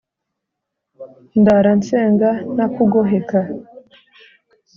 Ndara nsenga ntakugoheka